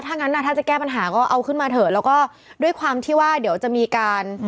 ถ้างั้นถ้าจะแก้ปัญหาก็เอาขึ้นมาเถอะแล้วก็ด้วยความที่ว่าเดี๋ยวจะมีการ